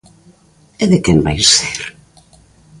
E de quen vai ser?